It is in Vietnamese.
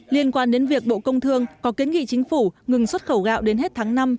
liên quan đến việc bộ công thương có kiến nghị chính phủ ngừng xuất khẩu gạo đến hết tháng năm